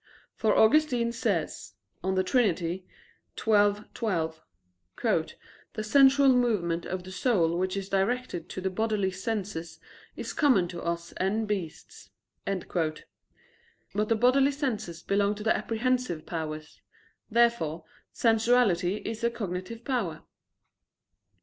For Augustine says (De Trin. xii, 12) that "the sensual movement of the soul which is directed to the bodily senses is common to us and beasts." But the bodily senses belong to the apprehensive powers. Therefore sensuality is a cognitive power.